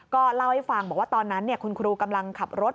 ก็เล่าให้ฟังบอกว่าตอนนั้นคุณครูกำลังขับรถ